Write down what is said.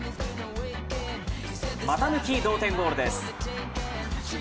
股抜き同点ゴールです。